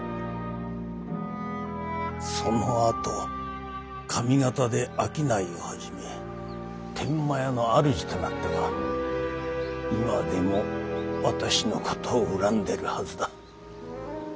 そのあと上方で商いを始め天満屋のあるじとなったが今でも私のことを恨んでるはずだ。